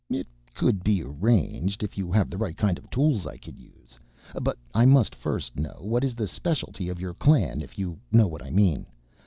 "It could be arranged, if you have the right kind of tools I could use. But I must first know what is the specialty of your clan, if you know what I mean.